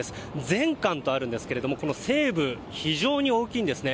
全館とあるんですがこの西武、非常に大きいんですね。